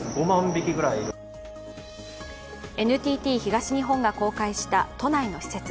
ＮＴＴ東日本が公開した都内の施設。